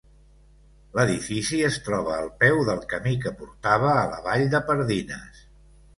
L'edifici es troba al peu del camí que portava a la vall de Pardines.